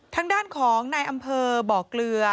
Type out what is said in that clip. ทางด้านของนายอำเภอบ่อเกลือ